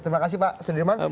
terima kasih pak sudirman